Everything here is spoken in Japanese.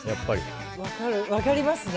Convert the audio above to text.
分かりますね。